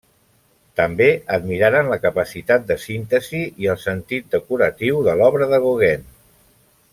També admiraren la capacitat de síntesi i el sentit decoratiu de l'obra de Gauguin.